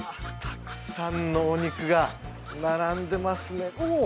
たくさんのお肉が並んでますねおお！